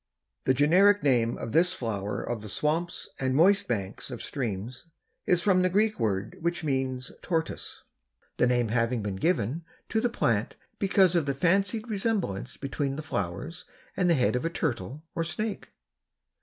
The generic name of this flower of the swamps and moist banks of streams is from the Greek word which means tortoise, the name having been given to the plant because of the fancied resemblance between the flowers and the head of a turtle or snake.